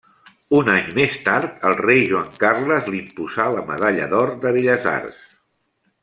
Un any més tard, el rei Joan Carles l'imposà la medalla d'or de Belles Arts.